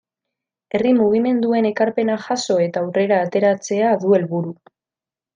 Herri mugimenduen ekarpena jaso eta aurrera ateratzea du helburu.